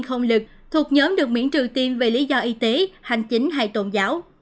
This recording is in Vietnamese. không lực thuộc nhóm được miễn trừ tiêm vì lý do y tế hành chính hay tôn giáo